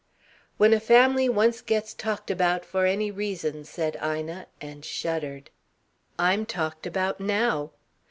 "When a family once gets talked about for any reason " said Ina and shuddered. "I'm talked about now!"